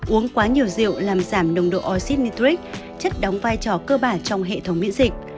uống quá nhiều rượu làm giảm nồng độ oxyd nitric chất đóng vai trò cơ bản trong hệ thống miễn dịch